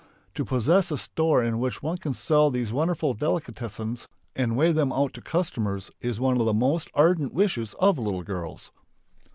To possess a store in which one can sell these wonderful delicatessens and weigh them out to customers is one of the most ardent wishes of little girls.